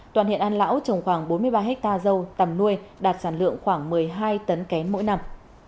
toàn huyện an lão trồng khoảng bốn mươi ba hectare dâu tầm nuôi đạt sản lượng khoảng một mươi hai tấn kén mỗi năm